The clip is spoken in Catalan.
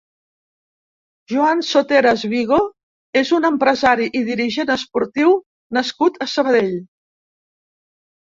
Joan Soteras Vigo és un empresari i dirigent esportiu nascut a Sabadell.